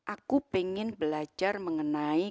aku pengen belajar mengenai